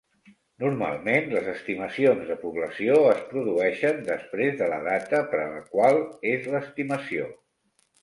Normalment, les estimacions de població es produeixen després de la data per a la qual és l'estimació.